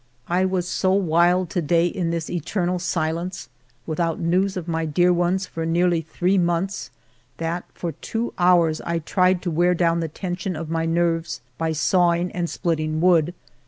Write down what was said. I was so wild to day in this eternal silence, without news of my dear ones for nearly three months, that for two hours I tried to wear down the tension of my nerves by sawing and splitting wood.